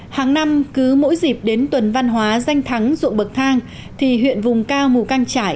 hàng năm cứ mỗi dịp đến tuần văn hóa danh thắng ruộng bậc thang thì huyện vùng cao mù căng trải